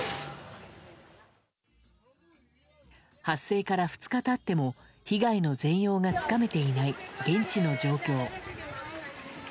発生から２日経っても被害の全容がつかめていない現地の状況。